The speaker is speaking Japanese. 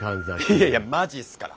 いやいやマジっすから！